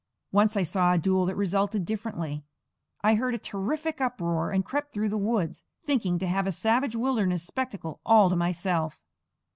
Once I saw a duel that resulted differently. I heard a terrific uproar, and crept through the woods, thinking to have a savage wilderness spectacle all to myself.